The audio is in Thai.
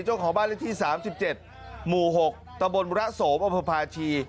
เจ้าของบ้านเล่นที่สามสิบเจ็ดหมู่หกตะบนมุระสมอพภาชี